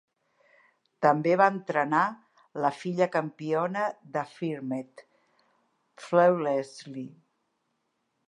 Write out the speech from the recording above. També va entrenar la filla campiona d'Affirmed, Flawlessly.